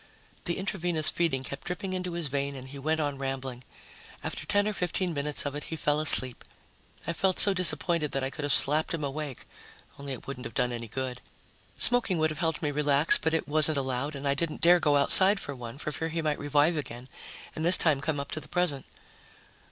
The intravenous feeding kept dripping into his vein and he went on rambling. After ten or fifteen minutes of it, he fell asleep. I felt so disappointed that I could have slapped him awake, only it wouldn't have done any good. Smoking would have helped me relax, but it wasn't allowed, and I didn't dare go outside for one, for fear he might revive again and this time come up to the present.